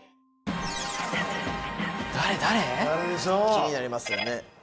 気になりますよね。